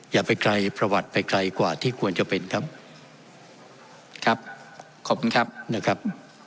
อย่าไปไกลประวัติไปไกลกว่าที่ควรจะเป็นครับครับขอบคุณครับนะครับ